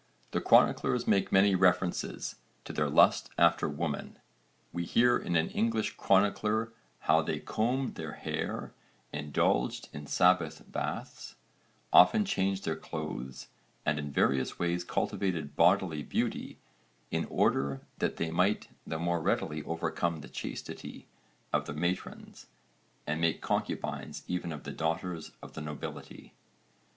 The chroniclers make many references to their lust after women. We hear in an English chronicler how they combed their hair, indulged in sabbath baths, often changed their clothes and in various ways cultivated bodily beauty 'in order that they might the more readily overcome the chastity of the matrons, and make concubines even of the daughters of the nobility.'